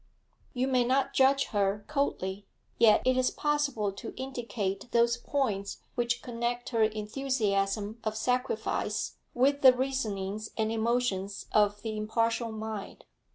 You may not judge her coldly; yet it is possible to indicate those points which connect her enthusiasm of sacrifice with the reasonings and emotions of the impartial mind.